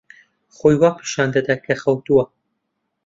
خۆی وا پیشان دەدا کە خەوتووە.